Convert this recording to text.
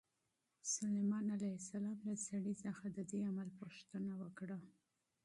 سلیمان علیه السلام له سړي څخه د دې عمل پوښتنه وکړه.